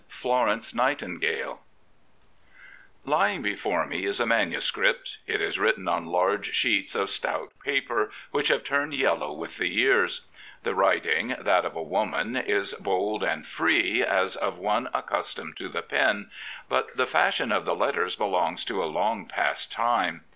FLORENCE NIGHTINGALE Lying before me is a manuscript. It is written on large sheets of stout paper which have turned yellow with the years. The writing, that of a woman, is bold and free, as of one accustomed to the pen; but the fashion of the letters belongs to a Iong>past time.